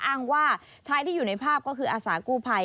อ้างว่าชายที่อยู่ในภาพก็คืออาสากู้ภัย